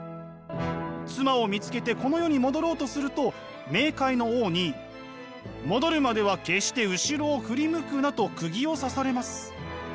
妻を見つけてこの世に戻ろうとすると冥界の王に「戻るまでは決して後ろを振り向くな」とくぎを刺されます。